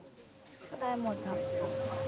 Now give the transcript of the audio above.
ก็ได้หมดครับ